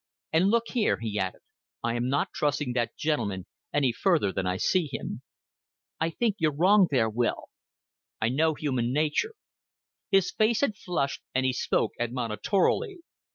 And look here," he added. "I am not trusting that gentleman any further than I see him." "I think you're wrong there, Will." "I know human nature." His face had flushed, and he spoke admonitorily.